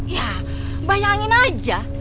ya bayangin aja